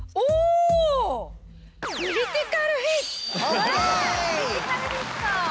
うわクリティカルフィット！